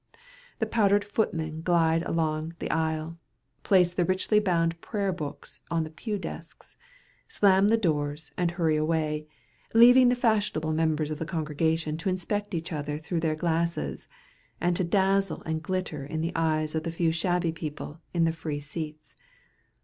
The powdered footmen glide along the aisle, place the richly bound prayer books on the pew desks, slam the doors, and hurry away, leaving the fashionable members of the congregation to inspect each other through their glasses, and to dazzle and glitter in the eyes of the few shabby people in the free seats.